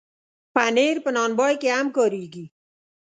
پنېر په نان بای کې هم کارېږي.